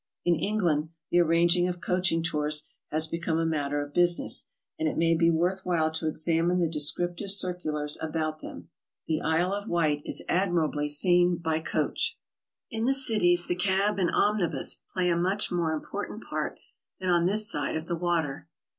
In England the arranging of coaching tours has become a matter of business, and k may be worth while to examine the descriptive circu lars about them. The Isle of Wight is admirably seen by coach. HOW TO TRAVEL ABROAD. 77 In tihe cities the cab and omnibus play a much more im portant part than on this side of the water.